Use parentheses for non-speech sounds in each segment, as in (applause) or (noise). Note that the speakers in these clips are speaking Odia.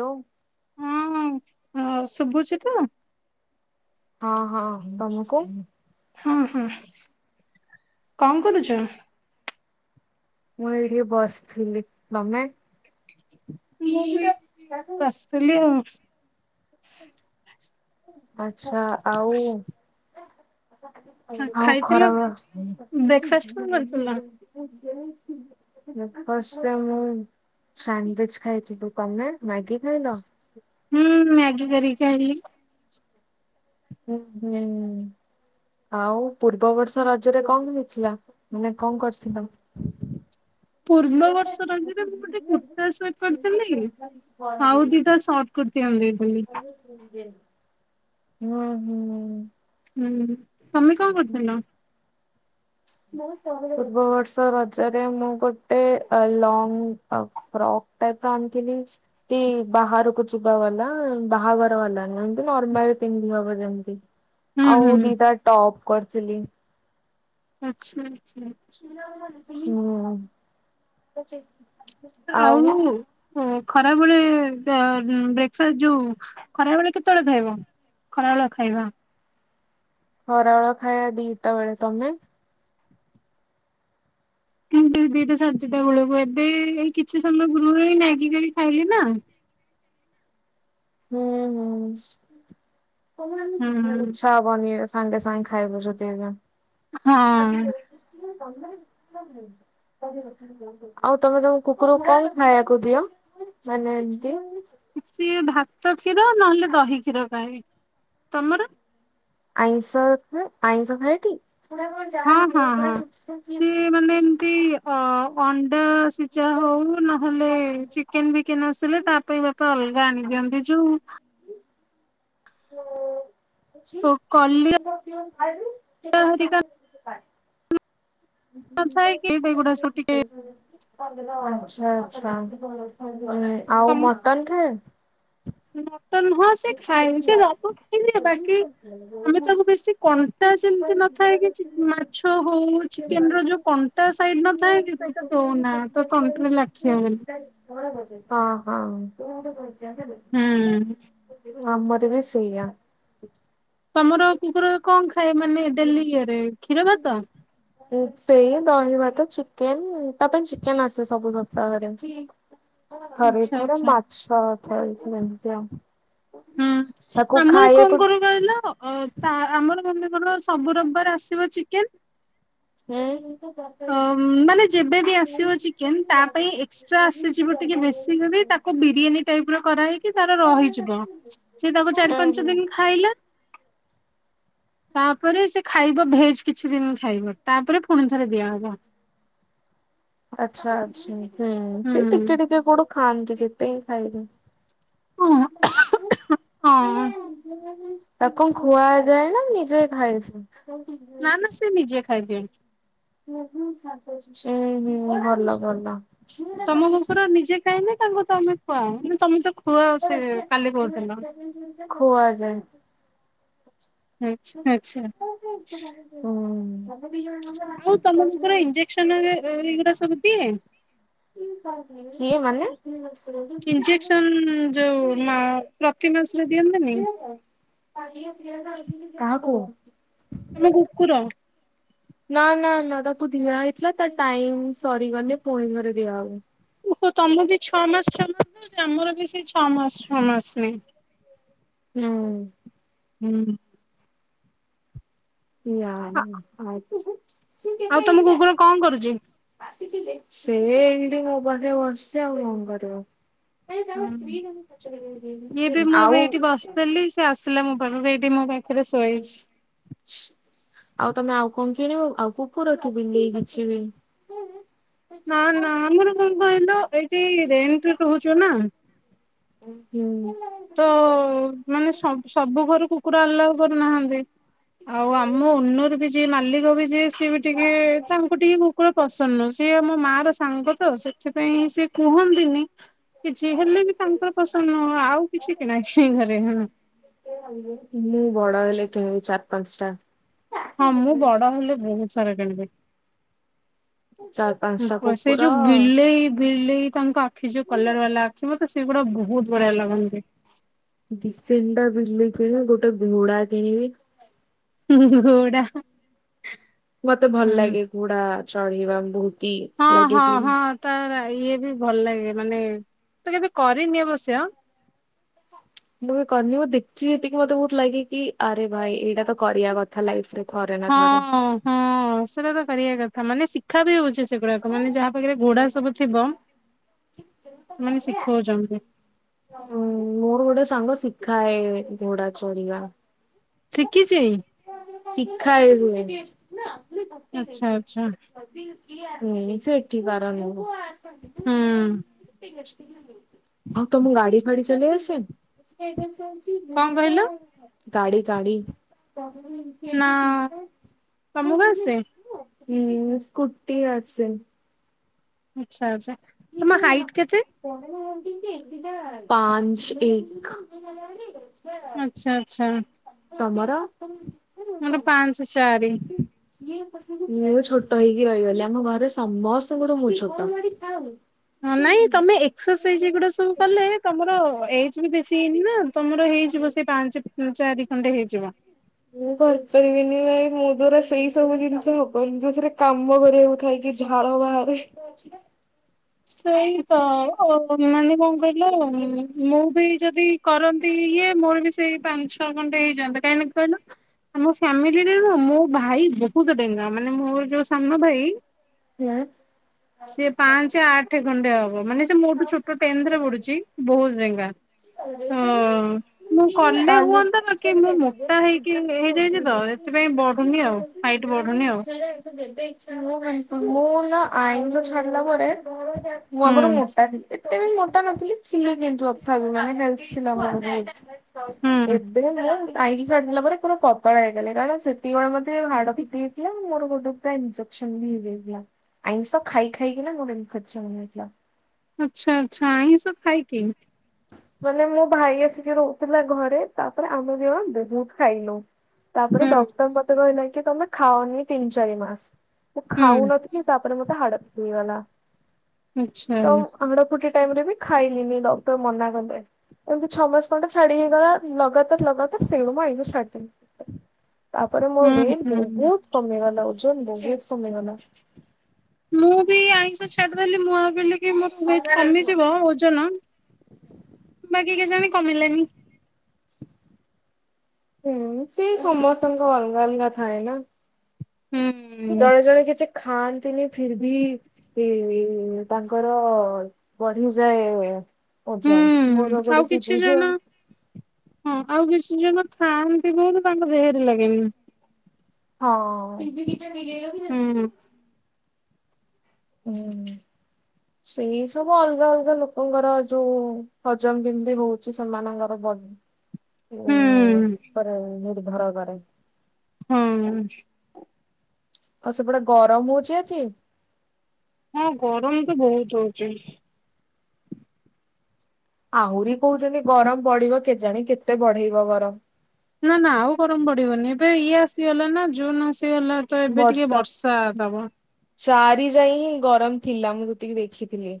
ଡୋମ୍ ହଁ, ହଁ, ହଁ ଶୁଭୁଛି ତ। ହଁ ହଁ ତମୁକୁ। ହୁଁ ହୁଁ କଣ କରୁଛ। ମୁଁ ଏଇଠି ବସିଥିଲି ତମେ। ମୁଁ ବି ଆସିଥିଲି ଆଉ। ଆଚ୍ଛା, ଆଉ। ଆଉ ଖାଇଥିଲ ଖରାବେଳେ ବ୍ରେକଫାଷ୍ଟ କିଛି। କଣ କରିଥିଲ? ଫାଷ୍ଟ ଟାଇମ୍ ମୁଁ ସାଣ୍ଡୁଇଚ୍ ଖାଇଚି। ତମେ ମ୍ୟାଗି ଖାଇଲ। ହୁଁ ମ୍ୟାଗି କରି ଖାଇଲି। ମିଲକମୁଁ। ଆଉ ପୂର୍ବ ବର୍ଷ ରଜରେ କଣ ହେଇଥିଲା ମାନେ କଣ କରିଥିଲ। ପୂର୍ବ ବର୍ଷ ରଜରେ ମୁଁ ଗୋଟେ କୁର୍ତ୍ତା ସେଟ କରିଥିଲି ଆଉ ଦିଇଟା। କୁର୍ତି ଆଣି ଦେଇଥିଲି। ହୁଁ ହୁଁ। ହୁଁ ତମେ କଣ କରୁଥିଲ। ପୂର୍ବ ବର୍ଷ ରଜରେ ମୁଁ ଗୋଟେ ଲଙ୍ଗଫ୍ରକ। ଫ୍ରକଟା ତ ଆଣିଥିଲି। ଏମିତି ବାହାରକୁ ଯିବା ବାଲା ବାହାଘର ବାଲା ନୁହେଁ ଏମତି ନର୍ମାଲ ପିନ୍ଧି ହବ ଯେମତି। ହୁଁ ଆଉ ହୁଁ ଦିଇଟା ଟପ୍ କରିଥିଲି। ଆଚ୍ଛା ଆଚ୍ଛା। ହୁଁ। ଆଉ। ଓ ଖରାବେେଳେ ବ୍ରେକଫାଷ୍ଟ ଯୋଉ ଖରା ବେଳେ କେତେବେଳେ ଖାଇବ। ଖରାବେଳ ଖାଇବା। ଖରାବେଳ ଖାଇବା ଦିଇଟା ବେଳେ ତମେ। କିନ୍ତୁ ଦିଇଟା ସାଢ଼େଦିଇଟା ବେଳକୁ ଏବେ ଏଇ କିଛି ସମୟ ପୂର୍ବରୁ ଏ ମାଗି କରି ଖାଇଲି ନାଁ। ହୁଁହୁଁ। ବନେଇ ହଁ। ସାଙ୍ଗେ ସାଙ୍ଗେ ଖାଇବୁ ଯଦି ଏଇନା। ତା (unintelligible) ଆଉ ତମେ ତମ କୁକୁରକୁ କଣ ଖାଇବାକୁ ଦିଅ ମାନେ ଏମତି। ସିଏ ଭାତ କ୍ଷୀର ନହେଲେ ଦହି କ୍ଷୀର ଖାଏ ତମର। ଆଇଂସ ଆଇଂସ ଖାଏକି। ହେରା କଣ ଯାଏ କି। ହଁ ହଁ ହଁ ସିଏ ମାନେ ଏମିତି ଅ ଅଣ୍ଡା ସିଜା। ଯା ହଉ ନହେଲେ ଚିକେନ୍ ବିକେନ୍ ଆସିଲେ ତା ପାଇଁ ବାପା ଅଲଗା ଆଣିଦିଅନ୍ତି ଯୋଉ। ଓ ତଛିିବ କଲିଆ ସେ ହରିକା (unintelligible) ହ ନଥାଏ (unintelligible) କି ଏଗୁଡା ସବୁ ଟିକେ ଓହୋ ଆଛା ଆଛା ଆଉ ତମ ମଟନ ଖାଏ। ମଟନ ହଁ। ସେ ଖାଏ ସେ ସବୁ ଖାଇଦିଏ ବାକି ଆମେ ତାକୁ ବେଶୀ କଣ୍ଟା ଯେମିତି ନଥାଏ କି। ମାଛ ହଉ ଚିକେନ୍ ର ଯୋଉ କଣ୍ଟା ସାଇଡ ନଥାଏ କି ସେଇଟା ଦଉନା ତ ତଣ୍ଟିରେ ଲାଖି। ସେ ହଁ। ହଁ ହଁ। ହ୍ନୁ। ଆମର ବି ସେୟା। ତମର କୁକୁର କଣ ଖାଏ ମାନେ ଡେଲି ଇଏରେ କ୍ଷୀର ଭାତ? ସେଇ ଦହି ଭାତ ଚିକେନ୍ ତା ପାଇଁ ଚିକେନ୍ ଆସେ ସବୁ ସପ୍ତାହରେ। ଥରେ ଆଚ୍ଛା ଦିଥର ଆଚ୍ଛା ମାଛ ଥରେ ଏମିତି ଆଉ। ହୁଁ ତାକୁ ଆମର ଖାଇବାକୁ କଣ କରୁ କହିଲ ଅଁ ତା ଆମର ମନେକର ସବୁ ରବିବାର ଆସିବ ଚିକେନ୍ ହୁଁ ହ ମାନେ ଯେବେବି ଆସିବ ଚିକେନ୍ ତା ପାଇଁ ଏକ୍ସଟ୍ରା ଆସିଯିବ ଟିକେ ବେଶୀ କରି ତା- ତାକୁ ବିରିୟାନୀ ଟାଇପର କରାହେଇକି ତାର ରହିଯିବ ସେ ତାକୁ ଚାରି ପାଞ୍ଚ ଓହୋ। ଦିନ ଖାଇଲା। ତାପରେ ସେ ଖାଇବ ଭେଜ୍ କିଛି ଦିନ ଖାଇବ ତାପରେ ପୁଣି ଥରେ ଦିଆହବ। ଆଛା ଆଛା ହୁଁ ସେଇ ଟିକେ ହୁଁ। ଟିକେ କୋଉଠୁ ଖାଆନ୍ତି କେତେ ଖାଇଦଉ। ହଁ। ହଁ (unintelligible) ତାକୁ ଖୁଆଯାଏ ନା ନିଜେ ଖାଏ ସେ? ନାଁ ନାଁ ସେ ନିଜେ ଖାଇଦିଏ। ସେ ଭଲ ଭଲ। ତମ କୁକୁର ନିଜେ ଖାଏ ନାଁ ତାଙ୍କୁ ତମେ ଖୁଆଅ ମାନେ ତମେ ତା ଖୁଆ ଯାଏ। ଆଛା ଆଛା। ହ ସବୁ ଦି ଜଣ ମାନେ ଆଉ ତମ କୁକୁର ଇଞ୍ଜେକ୍ସନ ହରି ଏଇଗୁରା ସବୁ ଦିଏ। ସିଏ ମାନେ ଇଞ୍ଜେକ୍ସନ ଯୋଉ ମା ପ୍ରତି ମାସରେ ଦିଅନ୍ତି ନି। କାହାକୁ? ତମ କୁକୁର। ନା ନା ନା ତାକୁ ଦିଆ ହେଇଥିଲା ତା ଟାଇମ୍ ସରିଗଲେ ପୁଣି ଥରେ ଦିଆହବ। ଓହୋ ତମ ବି ଛଅ ମାସ ଛଅ ମାସ ଦଉଚ ଆମର ବି ସେଇ ଛଅ ମାସ ଛଅ ମାସ ନିଏ। ହୁଁ। ହୁଁ। ଯାହା ହଉ ଆଜି ଆଉ ତମ କୁକୁର କଣ କରୁଚି? ସେ ଏଇଠି ମୋ ପାଖେ ବସିଚି ଆଉ କଣ କରିବ। ଇଏ ବି ମୁଁ ଏବେ ଆଉ। ଏଇଠି ବସିଥିଲି ସେ ଆସିଲା ମୋ ପାଖକୁ ଏଇଠି ମୋ ପାଖରେ ଶୋଇଛି। (unintelligible) ଆଉ ତମେ ଆଉ କଣ କିଣିବ ଆଉ କୁକୁର କି ବିଲେଇ ଅଛିି ବି। ନା ନା ଆମର କଣ କହିଲ ଏଇଠି ରେଣ୍ଟରେ ରହୁଛୁ ନା। ହୁଁ। ତ ମାନେ ସ ସବୁ ଘରୁ କୁକୁର ଆଲ୍ଲାଓ କରୁନାହାନ୍ତି। (unintelligible) ଆଉ ଆମ ଓନର ବି ଯିଏ ମାଲିକ ବି ଯିଏ ସିଏ ବି ଟିକେ ତାଙ୍କୁ ଟିକେ କୁକୁର ପସନ୍ଦ ନୁହଁ ସିଏ ମୋ ମାର ସାଙ୍ଗ ତ ସେଥିପାଇଁ ସେ କୁହନ୍ତିନି। (unintelligible) କିଛି ହେଲେ ବି ତାଙ୍କର ପସନ୍ଦ ନୁହଁ ଆଉ କିଛି କି ନାହିଁ କି ଘରେ। ମୁଁ ବଡ ହେଲେ କିଣିବି ଚାରି ପାଞ୍ଚଟା। ହଁ ମୁଁ ବଡ ହେଲେ ବହୁତ ସାରା କିଣିବି। ଚାରି ପାଞ୍ଚଟା ସେଇ କୁକୁର ଯୋଉ ବିଲେଇ ବିଲେଇ ତାଙ୍କ ଆଖି ଯୋଉ କଲର ବାଲା ଆଖି ମତେ ସେଗୁଡା ବହୁତ୍ ବଢିଆ ଲାଗନ୍ତି। ଦି ତିନି ଟା ବିଲେଇ କିଣି ଗୋଟେ ଘୋଡା କିଣିବି ଉ ହୁଁ ହୁଁ ଘୋଡା ମତେ ଭଲ ହୁଁ ଲାଗେ ଘୋଡା ଚଢିବା ବହୁତ୍ ହଁ ହଁ ହଁ ତା ରା ଇଏ ବି ଭଲ ଲାଗେ ମାନେ ତ କିତି କରିନି ଅବଶ୍ୟ। ମୁଁ କରିନି ମୁଁ ଦେଖି ତିକି ମତେ ବହୁତ୍ ଲାଗେ କି ଆରେ ଭାଇ ଏଇଟା ତ କରିଆ କ ତା ଲାଇଫ୍ ରେ ଥରେ। ନା ଥରେ। ହଁ ହଁ ସେଟା ତ କାରିଆ କଥା ମାନେ ଶିଖା ବି ହଉଛି ସେ ଗୁଡାକ ମାନେ ଯାହା ପାଖେରେ ଗୋଡା ସବୁ ଥିବ ମାନେ ଶିଖଉଚନ୍ତି। ମୋର ଗୋଟେ ସାଙ୍ଗ ଶିଖାଏ ଘୋଡା ଚଢ଼ିବା। ଶିଖିଚି। ଶିଖା ରୁ (unintelligible) ଆଚ୍ଛା ଅଚ୍ଛା। (unintelligible) ନ ସେଠ କରାର ନିବୁ ହୁଁ ଆଉ ତମୁ ଗାଡି ଫାଡି ଚଲେଇ ଆସେ? କଣ କହିଲ ଗାଡି ଗାଡି ନା ତମକୁ ଆସେ ହୁଁ ସ୍କୁଟି ଆସେ। ଆଛା ଆଛା ତମ ହାଇଟ୍ କେତେ? ପାଞ୍ଚ୍ ଏକ୍। ଆଛା ଆଛା। ତମର ମୁ ପାଞ୍ଚ ଚାରି ଛୋଟ ହେଇକି ରହିଗଲି ଆମ ଘରେ ସମସ୍ତଙ୍କଠୁ ମୁଁ ଛୋଟ। ନହେଲେ ନାଇଁ ତମେ ଏକ୍ସରସାଇଜ୍ ଏଗୁଡା ସବୁ କଲେ ତମର ଏ ଜ୍ ବି ବେଶୀ ହେଇନି ନା ତମର ହେଇଯିବ ସେଇ ପାଞ୍ଚେ ଚାରି ଖଣ୍ଡେ ହେଇଯିବ। ମୁଁ କରିପାରିବିନି ଭାଇ ମୋ ଦ୍ଵାରା ସେଇ ସବୁ ଜିନିଷ ହବନି ଯୋଉଥିରେ କାମ କରିବାକୁ ଥାଇ ଝାଳ ଭାରେ। ସେଇ ତ ଅ ମାନେ କଣ କହିଲ ମୁଁ ବି ଯଦି କରନ୍ତି ଇଏ ମୋର ବି ସେଇ ପାଞ୍ଚ୍ ଟା ଖଣ୍ଟେ ହେଇଯାନ୍ତା କାହିଁକି ନା କହିଲ ଆମ ଫ୍ୟାମିଲି ରେ ନା ମୋ ଭାଇ ବହୁତ୍ ଡେଙ୍ଗା ମାନେ ମୋର ଯୋଉ ସାନ ଭାଇ ହେଁ। ସେ ପାଁ ଞ୍ଚେ ଆଠେ ଖଣ୍ଡେ ହବ ମାନେ ସେ ମୋଠୁ ଛୋଟ ଟେନ୍ ଥେ ରେ ପଢୁଛି ବହୁତ୍ ଡେଙ୍ଗା। ହ ମୁଁ କଲେ କାଲି ହୁଅନ୍ତା ମୁଁ ବାକିି ମୁଁ ମୋଟା ହେଇକି ହେଇଯାଇଛି ତ ସେଥିପାଇଁ ବଢୁନି ଆଉ ହାଇଟ୍ ବଢୁନି ଆଉ। ଯେତେ ଇଛା ହଉ ଆଁଇଷ ମୁଁ ନା ଆଁଇଷ ଛାଡିଲା ପରେ ମୁଁ ହୁଁ ଆଗୁରୁ ମୋଟା ଥିଲି। ଏତେ ବି ମୋଟା ନଥିଲି ଥିଲା କିନ୍ତୁ ଅଥାାବ (inaudible) ମାନେ ବ ଆମର ବହୁ ହୁଁ ଏବେ ହେଲା। କାଇଁକି (inaudible) ଛାିଲା ପରେ ପୁରା ପତଳା ହେଇଗଲି କାରଣ ସେତିକବେଳେ ମତେ ହାଡ଼ ଫିଟି ହେଇଥିଲା ମୋର ଗୋଟକୁ ନିଜ ସେମି ହେଇଯାଇଥିଲା ଆଁଇଷ ଖାଇ ଖାଇକିନା ମୋର ଇନ୍ଫେକ୍ସନ୍ ହେଇଥିଲା। ଆଚ୍ଛା ଆଚ୍ଛା ଆଇଁଷ ଖାଇକି। ମାନେ ମୋ ଭାଇ ଆସିକି ରହୁଥିଲା ଘରେ ତାପରେ ଆମେ ଦିଜଣ ବହୁତ୍ ଖାଇଲୁ। ତାପରେ ହୁଁ ଡକ୍ଟର ମତେ କହିଲା କି ତମେ ଖାଅନି ତିନି ଚାରି ମାସ୍। ମୁଁ ହୁଁ ଖାଉନଥିଲି ତାପରେ ମତେ ହାଡ଼ଫୁଟି ହେଇଗଲା। ଆଚ୍ଛା। ହାଡଫୁଟି ଟାଇମ୍ ରେ ବି ଖାଇଲିନି ଡକ୍ଟର ମନା କଲେ। ଏମିତି ଛଅ ମାସ ଖଣ୍ଡେ ଛାଡି ହେଇଗଲା ଲଗାତାର ଲଗାତାର ସେଇଠୁ ମୁଁ ଆଇଁଲି ଷ୍ଟାଟିଙ୍ଗ୍। ତାପରେ ମୋର ହୁଁ ୱେଟ୍ ହୁଁ। ବହୁତ କମିଗଲା ଓଜନ ବହୁତ କମିଗଲା। ମୁଁ ବି ଆଇଁଷ ଛାଡିଦେଲି ମୁଁ ଭାବିଲି କି ମୋର ୱେଟ୍ କମିଯିବ ଓଜନ ବାକି କେଜାଣି କମିଲାନି। ହୁଁ ସେ ସମସ୍ତଙ୍କ ଅଲଗା ଅଲଗା ଥାଏ ନା। ହୁଁଁ। ଜଣେ ଜଣେ କିଛି ଖାଆନ୍ତି ନି। ଫିର୍ ଭି ଏ ତାଙ୍କର ବଢିଯାଏ ଓଜନ ମୋର ହୁଁ ଆଉ ଗୋଟେ ସିି କିଛି ବି ଅଛି ଜଣ ଆଉ। ହଁ ଆଉ କିଛି ଜଣ ଥାଆନ୍ତି ବହୁତ ତାଙ୍କ ଦେହରେ ଲାଗେନି। ହଁ। ହୁଁ। ହୁଁ। ସେଇ ସବୁ ଅଲଗା ଅଲଗା ଲୋକଙ୍କର ଯୋଉ ହଜମ କେମିତି ହଉଛି ସେମାନଙ୍କର ବ ଉ ହୁଁ। ଉପରେ ନିର୍ଭର କରେ। ହଁ। ଆଉ ସେପଟେ ଗରମ ହଉଛି ଆଜି? ହଁ ଗରମ ତ ବହୁତ ହଉଛି। ଆହୁରି କହୁଛନ୍ତି ଗରମ ବଢିବ କେଜାଣି କେତେ ବଢେଇବ ଗରମ। ନାଁ ନାଁ ଆଉ ଗରମ ପଡିବନି ଏବେ ଇଏ ଆସିଗଲା ନା ଜୁନ୍ ଆସିଗଲା। ତ ଏବେ ଟିକେ ବର୍ଷା ଦବ। ଚାରି ଯାଏ ହିଁ ଗରମ ଥିଲା ମୁଁ ଯେତିକି ଦେଖିଥିଲି।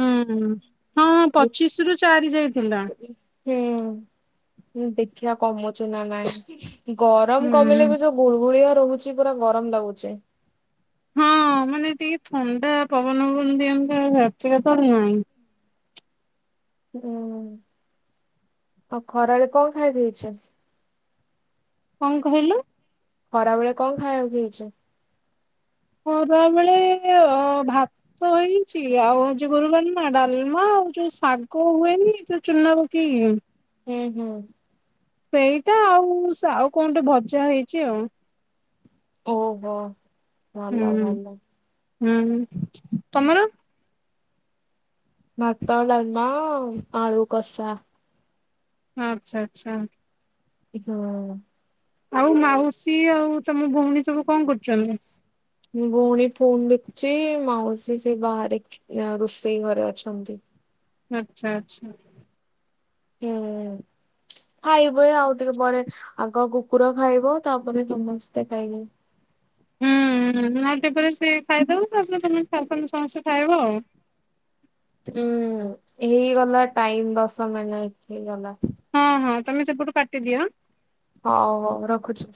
ହୁଁ ହୁଁ ହଁ ପଚିଶ ରୁ ଚାରି ଯାଏ ଥିଲା। ହୁଁ ହୁଁ ଦେଖିବା କମୁଛି ନା ନାହିଁ ଗରମ ହୁଁ। କମିଲେ ବି ଯୋଉ ଗୁଳଗୁଳିଆ ରହୁଛି ପୁରା ଗରମ ଲାଗୁଛି। ହଁ ମାନେ ଟିକେ ଥଣ୍ଡା ପବନ ଫବନ ଦିଅନ୍ତା ଆଉ ବାତ୍ୟା ହବାର ନାହିଁ। ହୁଁ ଆଉ ଖରାବେଳେ କଣ ଖାଇ ଦେଇଛନ୍ତି? କଣ କହିଲୁ? ଖରାବେଳେ କଣ ଖାଇବାକୁ ହେଇଛି? ଖରାବେଳେ ଅ ଭା ତ ହେଇଛି ଆଉ ଆଜି ଗୁରୁବାର ନା ଡାଲମା ଆଉ ଯୋଉ ଶାଗ ହୁଏନି ଯୋଉ ଚୁନା ପକେଇକି? ହୁଁ ହୁଁ। ସେଇଟା ଆଉ ଶା ଆଉ କଣ ଟା ଭଜା ହେଇଛି ଆଉ। ଓ ହୋ ଭଲ ହୁଁ ଭଲ। ହୁଁ ତମର? ଭାତ ଡାଲମା ଆଳୁକସା। ହଁ ଆଚ୍ଛା ଆଚ୍ଛା। ହୁଁ। ଆଉ ମାଉସୀ ଆଉ ତମ ଭଉଣୀ ସବୁ କଣ କରୁଛନ୍ତି? ମୋ ଭଉଣୀ ଫୋନ୍ ଦେଖୁଛି ମାଉସୀ ସେ ବାହାରେ ରୋଷେଇ ଘରେ ଅଛନ୍ତି। ଆଚ୍ଛା ଆଚ୍ଛା। ହୁଁ। ଖାଇବେ ଆଉ ଟିକେ ପରେ ଆଗ କୁକୁର ଖାଇବ ତାପରେ ସମସ୍ତେ ଖାଇବେ। ହୁଁ ଆଉ ଟିକେ ପରେ ସେ ଖା ଖାଇଦଉ ତାପରେ ତମେମାନେ ଚାରି ପାଞ୍ଚ ଜଣ ସମସ୍ତେ ଖାଇବ ଆଉ। ହୁଁ ହେଇଗଲା ଟାଇମ୍ ଦଶ ମିନିଟ୍ ହେଇଗଲା। ହଁ ହଁ ତମେ ସେପଟୁ କାଟି ଦିଅ ହାଁ। ହଉ ହଉ ରଖୁଚି।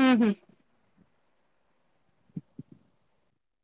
ହୁଁ ହୁଁ।